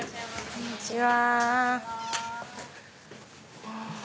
こんにちは。